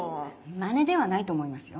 まねではないと思いますよ。